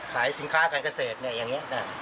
ขายสินค้าการเกษตรเนี่ยอย่างนี้